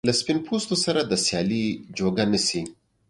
له سپین پوستو سره د سیالۍ جوګه نه شي.